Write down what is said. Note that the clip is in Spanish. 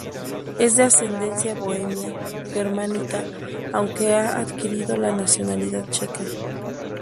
Es de ascendencia bohemia germánica, aunque ha adquirido la nacionalidad checa.